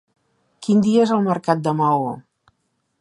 Quin dia és el mercat de Maó?